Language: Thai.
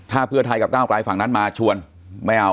ถ้าเพื่อไทยกับก้าวไกลฝั่งนั้นมาชวนไม่เอา